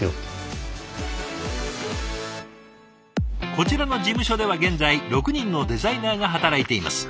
こちらの事務所では現在６人のデザイナーが働いています。